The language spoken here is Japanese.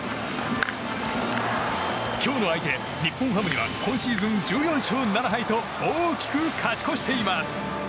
今日の相手、日本ハムには今シーズン１４勝７敗と大きく勝ち越しています。